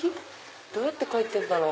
どうやって描いてるんだろう？